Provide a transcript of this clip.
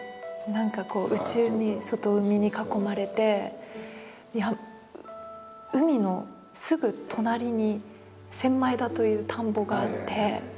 何かこう内海外海に囲まれて海のすぐ隣に千枚田という田んぼがあって。